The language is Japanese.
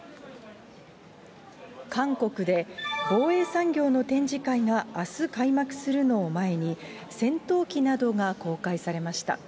韓国で、防衛産業の展示会があす開幕するのを前に、戦闘機などが公開されました。